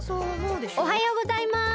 おはようございます。